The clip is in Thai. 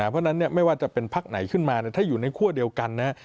เพราะฉะนั้นไม่ว่าจะเป็นพักไหนขึ้นมาถ้าอยู่ในคั่วเดียวกันนะครับ